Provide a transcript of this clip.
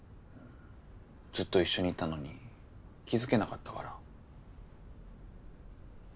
ずっと一緒にいたのに気付けなかったから。